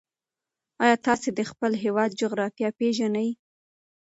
ایا تاسې د خپل هېواد جغرافیه پېژنئ؟